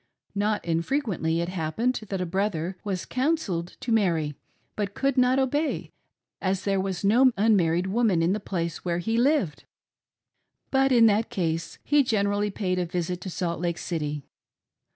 Not infrequently it happened that a brother was "counselled" to marry, but could not obey, as there was no unmarried woman in the place 20 12Z SOME EXTRAORDINARY MARRIAGES^ where h6 lived. In that case he generally paid a visit to Salt Lake City.